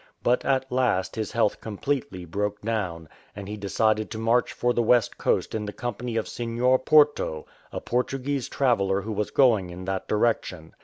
But at last his health completely broke do\ATi, and he decided to march for the west coast in the company of Senhor Porto, a Portuguese traveller who was going in that direction.